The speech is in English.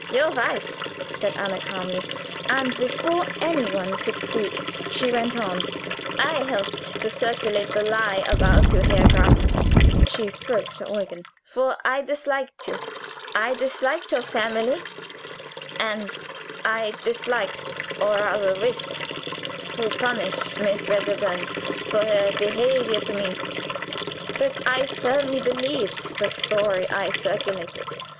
"Your wife," said Anna, calmly. And before any one could speak she went on: "I have helped to circulate the lie about you, Herr Graf" she spoke to Eugen "for I disliked you; I disliked your family, and I disliked, or rather wished to punish, Miss Wedderburn for her behavior to me. But I firmly believed the story I circulated.